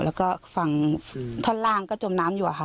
และธ้อนล่างก็จมน้ำอยู่